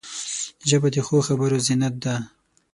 ژبه د ښو خبرو زینت ده